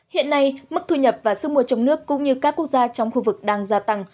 hiện nay mức thu nhập và sức mua trong nước cũng như các quốc gia trong khu vực đang gia tăng